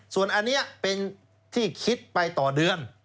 ส่วนอันนี้เป็นที่คิดไปต่อเดือน